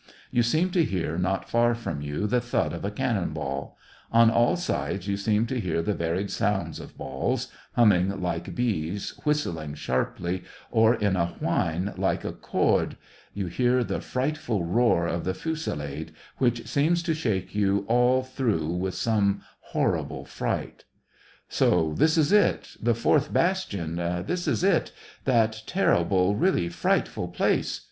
You seem to hear not far from you the thud of a cannon ball ; on all sides, you seem to hear the varied sounds of balls, — humming like bees, whistling sharply, or in a whine like a cord — you hear the frightful roar of the fusillade, which seems to shake you all through with some horrible fright. "So this is it, the fourth bastion, this is it — 26 SEVASTOPOL IN DECEMBER. that terrible, really frightful place